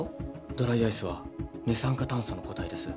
ドライアイスは二酸化炭素の固体です。